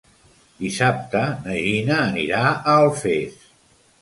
Dissabte na Gina anirà a Alfés.